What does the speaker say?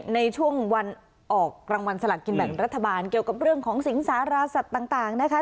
ในช่วงวันออกรางวัลสลักกินแบ่งรัฐบาลเกี่ยวกับเรื่องของสิงสาราสัตว์ต่างนะคะ